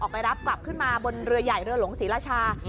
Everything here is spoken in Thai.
ไปรับกลับขึ้นมาบนเรือใหญ่เรือหลงศรีราชา